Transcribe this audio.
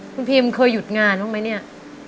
คุณพิมเคยหยุดงานบ้างไหมเนี่ย